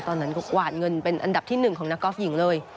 ตอนนั้นก็กวาดเงินเป็นอันดับที่๑ของนักกอล์ฟหญิงเลย